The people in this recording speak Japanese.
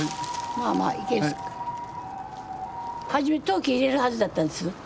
はじめ陶器入れるはずだったんですよ。